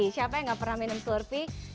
siapa yang enggak pernah minum slurpee